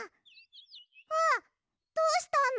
わっどうしたの？